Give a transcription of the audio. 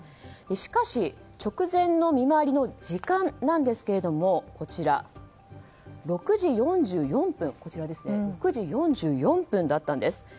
しかし、直前の見回りの時間なんですが６時４４分だったんです。